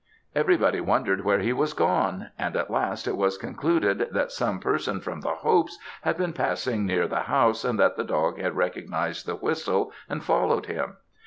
Everybody wondered where he was gone; and at last it was concluded that some person from 'The Hopes' had been passing near the house, and that the dog had recognised the whistle, and followed him.